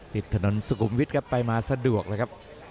ติดถนนสุขุมวิทย์ครับไปมาสะดวกเลยครับ